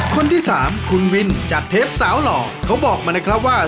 คนที่สามคุณวินจัดเทปสาวหล่อเขาบอกมาเลยครับว่า